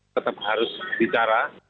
tetap harus bicara